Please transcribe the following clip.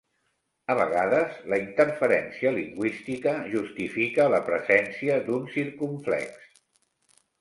A vegades, la interferència lingüística justifica la presència d'un circumflex.